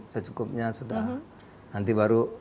secukupnya sudah nanti baru